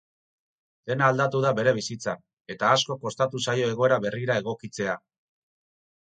Dena aldatu da bere bizitzan, eta asko kostatu zaio egoera berrira egokitzea.